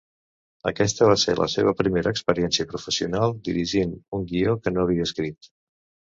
Aquesta va ser la seva primera experiència professional dirigint un guió que no havia escrit.